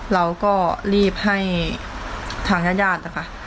เราก็รีบให้ฐานญาติย่านนะคะ